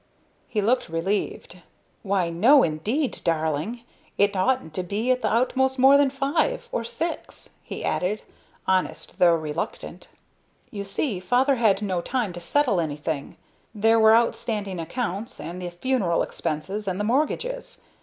He looked relieved. "Why, no, indeed, darling. It oughtn't to be at the outside more than five. Or six," he added, honest though reluctant. "You see, father had no time to settle anything; there were outstanding accounts, and the funeral expenses, and the mortgages.